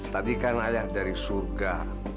tadi kan ayah dari surga